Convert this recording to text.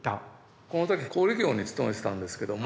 この時小売業に勤めてたんですけども。